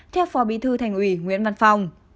theo phó bí thư thành ủy nguyễn văn phong